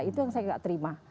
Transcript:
itu yang saya tidak terima